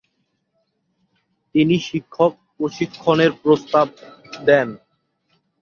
তিনি শিক্ষক প্রশিক্ষণের প্রস্তাব দেন।